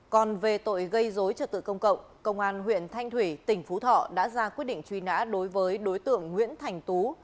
còn về tội gây dối trật tự công cộng công an huyện thanh thủy tỉnh phú thọ đã ra quyết định truy nã đối với đối tượng nguyễn thành tú